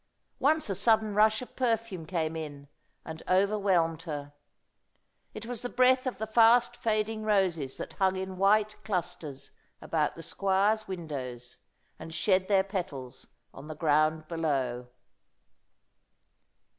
Once a sudden rush of perfume came in and overwhelmed her. It was the breath of the fast fading roses that hung in white clusters about the squire's windows, and shed their petals on the ground below.